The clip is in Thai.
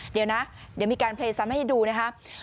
เดี๋ยวนะเดี๋ยวมีการเพลย์ซ้ำให้ดูนะครับ